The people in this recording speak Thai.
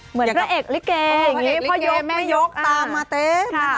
เหมือนพระเอกลิเกพระเอกลิเกไม่ยกตามมาเต็ม